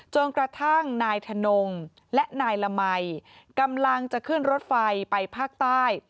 จนกระทั่งนายถนงและนายละมัยกำลังจะขึ้นรถไฟไปภาคใต้